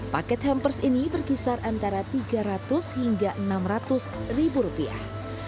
paket hampers ini berkisar antara tiga ratus hingga enam ratus ribu rupiah